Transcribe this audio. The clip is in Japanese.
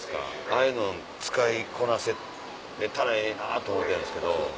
ああいうの使いこなせれたらええなと思ってるんですけど。